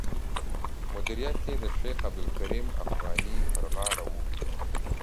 مدیریت یې د شیخ عبدالکریم افغاني پر غاړه و.